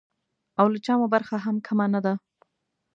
او له چا مو برخه هم کمه نه ده.